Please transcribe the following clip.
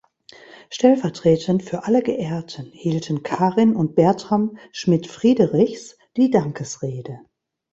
Stellvertretend für alle Geehrten hielten Karin und Bertram Schmidt-Friderichs die Dankesrede.